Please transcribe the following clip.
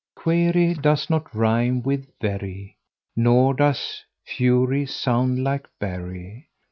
Query does not rime with very, Nor does fury sound like bury.